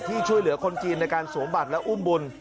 ช่วยเหลือคนจีนในการสวมบัตรและอุ้มบุญ